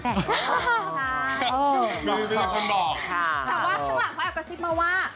แต่ตามรอกข้างหลังเขาแอ็กกระซิบมาว่า